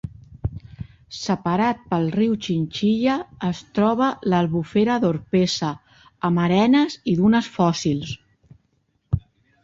Separat pel riu Xinxilla es troba l'albufera d'Orpesa, amb arenes i dunes fòssils.